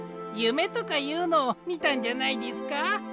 ゆめとかいうのをみたんじゃないですか？